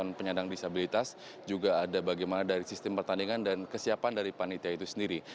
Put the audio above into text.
dan penyandang disabilitas juga ada bagaimana dari sistem pertandingan dan kesiapan dari panitia itu sendiri